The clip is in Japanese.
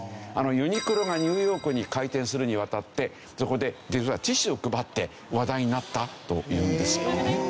ユニクロがニューヨークに開店するに当たってそこで実はティッシュを配って話題になったというんです。